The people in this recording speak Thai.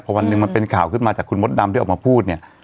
วันหนึ่งมันเป็นข่าวขึ้นมาจากคุณมดดำที่ออกมาพูดเนี่ย